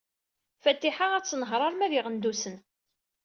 Fatiḥa ad tenheṛ arma d Iɣendusen.